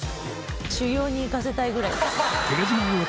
修行に行かせたいぐらい。